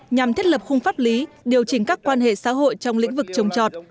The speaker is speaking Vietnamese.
nhằm thiết lập khung pháp lý điều chỉnh các quan hệ xã hội trong lĩnh vực trồng trọt